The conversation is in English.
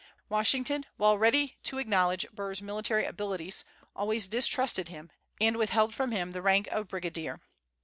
Washington, while ready to acknowledge Burr's military abilities, always distrusted him, and withheld from him the rank of brigadier.